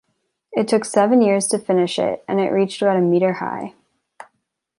It took seven years to finish it and it reached about a meter high.